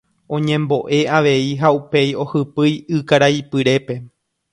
Oñembo'e avei ha upéi ohypýi ykaraipyrépe.